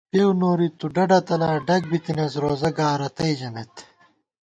پېؤ نوری تُو ڈڈہ تلا ، ڈگ بِتَنَئیس روزہ گا رتئ ژمېت